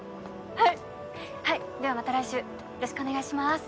はいはいではまた来週よろしくお願いします